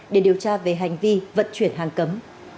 để điều tra về hành vi vận chuyển hàng cấm